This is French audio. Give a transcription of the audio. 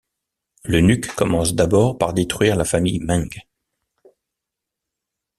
L'eunuque commence d'abord par détruire la famille Meng.